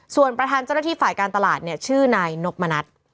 ส่วนประธานเจ้าหน้าที่ฝ่ายการตลาดเนี่ยชื่อนายนกมณัฐ